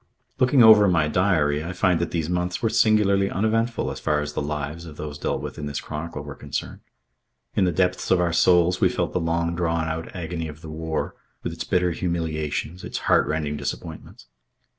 Looking over my diary I find that these months were singularly uneventful as far as the lives of those dealt with in this chronicle were concerned. In the depths of our souls we felt the long drawn out agony of the war, with its bitter humiliations, its heartrending disappointments.